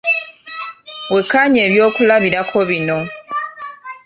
Wekkaanye ebyokulabirako bino.